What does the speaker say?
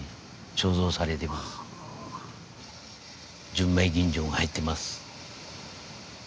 純米吟醸が入ってます。